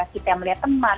kita melihat teman